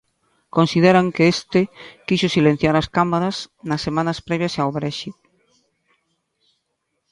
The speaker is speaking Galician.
Consideran que este quixo silenciar as cámaras nas semanas previas ao Brexit.